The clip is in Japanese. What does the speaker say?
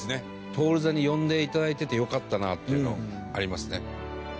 徹さんに呼んで頂いててよかったなっていうのありますね。